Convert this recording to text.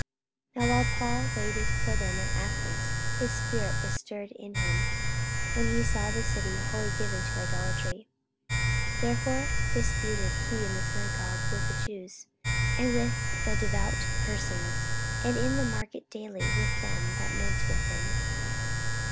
44:017:016 Now while Paul waited for them at Athens, his spirit was stirred in him, when he saw the city wholly given to idolatry. 44:017:017 Therefore disputed he in the synagogue with the Jews, and with the devout persons, and in the market daily with them that met with him.